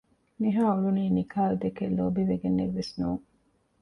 ނިހާ އުޅުނީ ނިކާލްދެކެ ލޯބިވެގެނެއްވެސް ނޫން